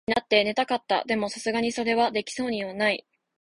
大の字になって寝たかった。でも、流石にそれはできそうもない。